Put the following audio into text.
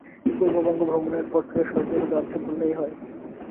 পূর্ববঙ্গ-ভ্রমণের পর থেকে শয্যাগত আছি বললেই হয়।